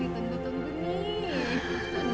ini tunggu tunggu nih